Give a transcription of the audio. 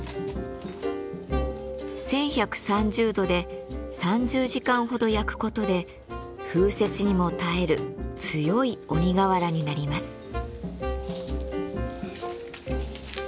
１，１３０度で３０時間ほど焼く事で風雪にも耐える強い鬼瓦になります。